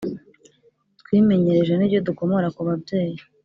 twimenyereje nibyo dukomora ku babyeyi